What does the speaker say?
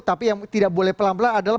tapi yang tidak boleh pelan pelan adalah